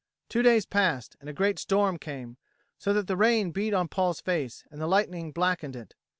Two days passed, and a great storm came, so that the rain beat on Paul's face and the lightning blackened it.